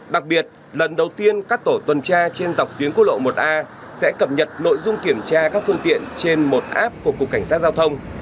đặc biệt lần đầu tiên các tổ tuần tra trên dọc tuyến quốc lộ một a sẽ cập nhật nội dung kiểm tra các phương tiện trên một app của cục cảnh sát giao thông